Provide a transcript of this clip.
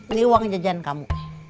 ini uang jajan kamu